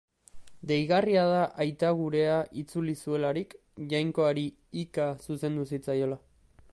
Deigarria da Aita Gurea itzuli zuelarik, Jainkoari hika zuzendu zitzaiola.